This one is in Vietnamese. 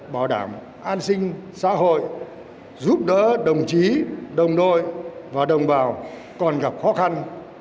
bảo đảm an sinh xã hội giúp đỡ đồng chí đồng đội và đồng bào còn gặp khó khăn